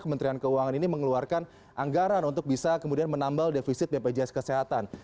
kementerian keuangan ini mengeluarkan anggaran untuk bisa kemudian menambal defisit bpjs kesehatan